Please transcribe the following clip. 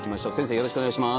よろしくお願いします